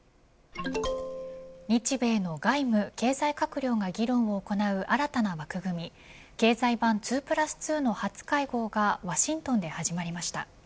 日米の外務、経済閣僚が議論を行う新たな枠組み経済版２プラス２の初会合がワシントンで始まりました。